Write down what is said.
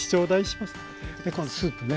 このスープね。